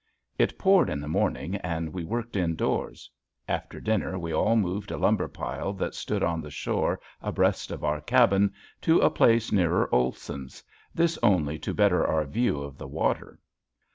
It poured in the morning and we worked indoors. After dinner we all moved a lumber pile that stood on the shore abreast of our cabin to a place nearer Olson's this only to better our view of the water.